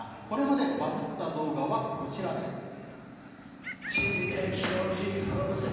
これまでバズった動画はこちらです。